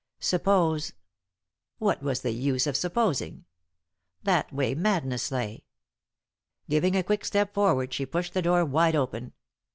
Suppose — what was the use of supposing ? That way madness lay. Giving a quick step forward, she pushed the door wide open.